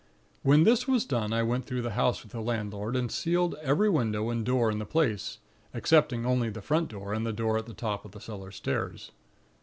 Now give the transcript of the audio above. "When this was done, I went through the house with the landlord, and sealed every window and door in the place, excepting only the front door and the door at the top of the cellar stairs.